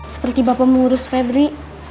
seperti bapak mengurus febri